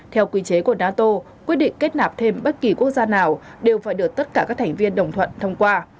theo quy chế của nato quyết định kết nạp thêm bất kỳ quốc gia nào đều phải được tất cả các thành viên đồng thuận thông qua